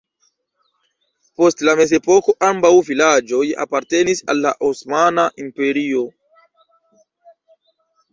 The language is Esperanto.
Post la mezepoko ambaŭ vilaĝoj apartenis al la Osmana Imperio.